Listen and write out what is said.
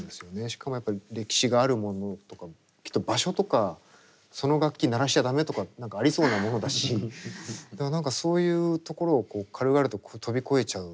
しかもやっぱり歴史があるものとかきっと場所とかその楽器鳴らしちゃ駄目とか何かありそうなものだしだから何かそういうところをこう軽々と飛び越えちゃう。